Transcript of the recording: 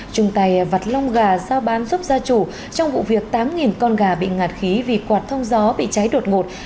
trùng tài vặt lông gà giao bán giúp gia chủ trong vụ việc tám con gà bị ngạt khí vì quạt thông gió bị cháy đột ngột